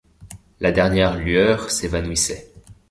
La dernière lueur s’évanouissait.